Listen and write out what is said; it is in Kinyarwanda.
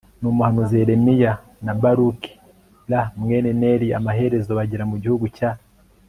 n umuhanuzi Yeremiya na Baruki r mwene Neriya Amaherezo bagera mu gihugu cya